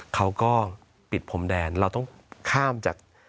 เขาก็ปิดพรมแดนเราต้องข้ามจาก